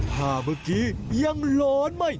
ถ้าเมื่อกี้ยังหลอนไม่